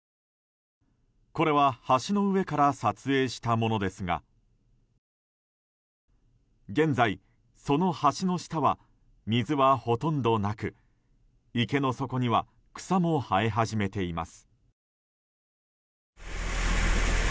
これは橋の上から撮影したものですが現在、その橋の下は水はほとんどなく池の底には草も生え始めています。